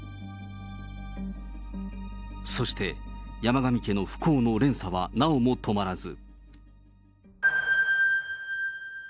そして、山上家の不幸の連鎖はなおも止まらず。